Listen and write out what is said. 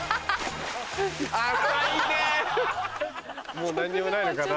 もう何にもないのかな。